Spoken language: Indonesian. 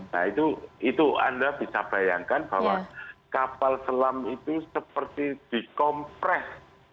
nah itu anda bisa bayangkan bahwa kapal selam itu seperti dikompres